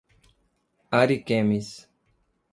Ariquemes